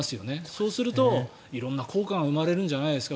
そうすると、色んな効果が生まれるんじゃないですか。